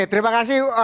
oke terima kasih